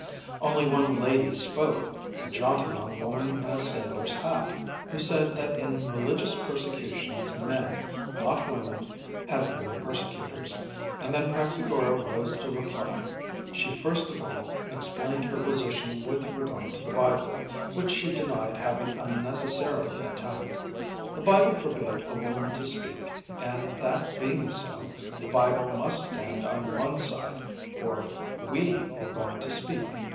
Only one lady spoke; a jaunty young woman in a sailor's hat, who said that in religious persecutions men, not women, had been the persecutors; and then Praxagora rose to reply. She first of all explained her position with regard to the Bible, which she denied having unnecessarily attacked. The Bible forbade a woman to speak; and, that being so, the Bible must stand on one side, for "we" were going to speak.